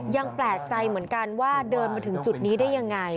ยังแปลกใจเหมือนกันว่าเดินมาถึงจุดนี้ได้ยังไง